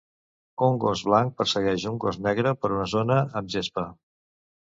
Un gos blanc persegueix un gos negre per una zona amb gespa.